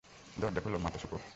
দরজা খোল, মাতসুকো!